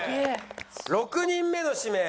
６人目の指名。